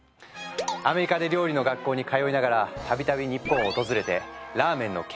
アメリカで料理の学校に通いながら度々日本を訪れてラーメンの研究を重ね